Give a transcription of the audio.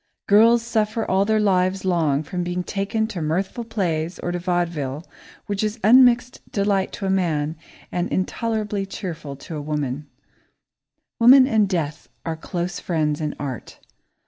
Girls suffer all their lives long from being taken to mirthful plays, or to vaudeville, which is unmixed delight to a man and intolerably cheerful to a woman. [Sidenote: Woman and Death] Woman and Death are close friends in art.